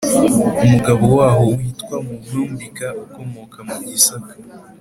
Umugabo waho witwa muhumbika ukomoka mu gisaka